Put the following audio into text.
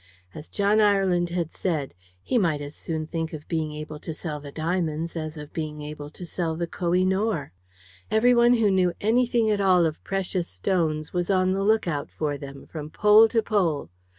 As John Ireland had said, he might as soon think of being able to sell the diamonds as of being able to sell the Koh i Nor. Every one who knew anything at all of precious stones was on the look out for them, from pole to pole.